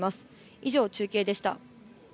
以上、中継でした。